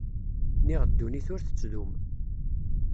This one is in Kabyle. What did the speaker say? Niɣ ddunit ur tettdum.